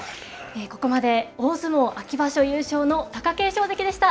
ここまで大相撲秋場所優勝の貴景勝関でした。